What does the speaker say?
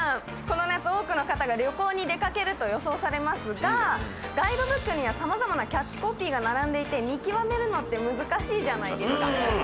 この夏多くの方が旅行に出かけると予想されますがガイドブックにはさまざまなキャッチコピーが並んでいて見極めるのって難しいじゃないですかなかなか。